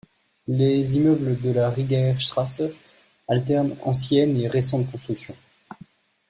Les immeubles de la Rigaer Straße alternent ancienne et récente construction.